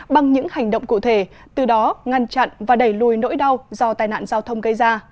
bằng những hành động cụ thể từ đó ngăn chặn và đẩy lùi nỗi đau do tai nạn giao thông gây ra